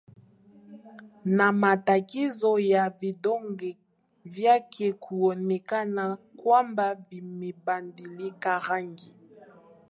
na matatizo ya vidonge vyake kuonekana kwamba vimebandilika rangi